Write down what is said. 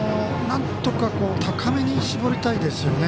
なんとか高めに絞りたいですよね。